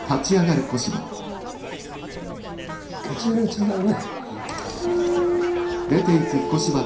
決裂だね。